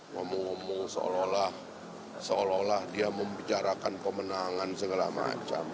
ngomong ngomong seolah olah dia membicarakan kemenangan segala macam